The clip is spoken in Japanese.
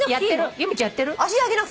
由美ちゃんやってる？